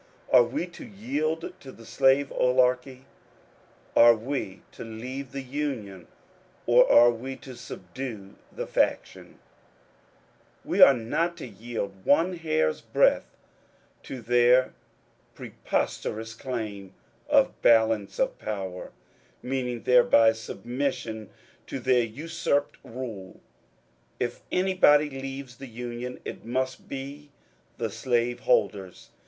Are we to yield to the slave oligarchy ? Are we to leave the Union or are we to subdue the ^^ faction "? We are not to yield one hair's breadth to their preposterous claim of " balance of power," — meaning, thereby, submission to their usurped rule. If anybody leaves the Union, it must be the slaveholders.